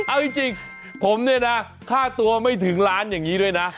เอาจริงผมเนี่ยนะค่าตัวไม่ถึงล้านอย่างนี้ด้วยนะ